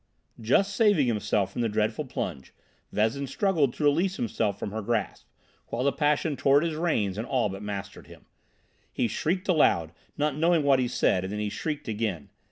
Just saving himself from the dreadful plunge, Vezin struggled to release himself from her grasp, while the passion tore at his reins and all but mastered him. He shrieked aloud, not knowing what he said, and then he shrieked again.